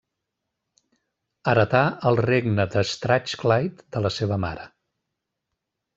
Heretà el Regne de Strathclyde de la seva mare.